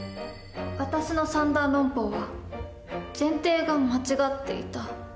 私の三段論法は前提が間違っていた。